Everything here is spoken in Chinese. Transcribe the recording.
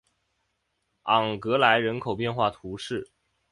昂格莱人口变化图示